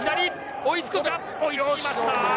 追いつきました。